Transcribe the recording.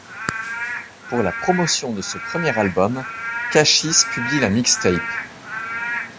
Pour la promotion de ce premier album, Cashis publie la mixtape '.